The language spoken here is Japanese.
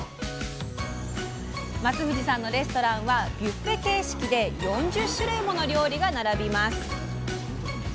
松藤さんのレストランはビュッフェ形式で４０種類もの料理が並びます。